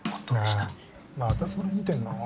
・なあまたそれ見てんの？